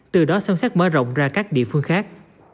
từ đó xâm xác mở rộng ra các địa phương khác